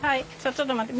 ちょっと待って。